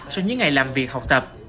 so với những ngày làm việc học tập